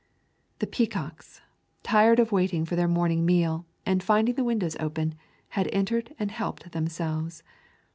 The peacocks, tired of waiting for their morning meal, and finding the windows open, had entered and helped themselves!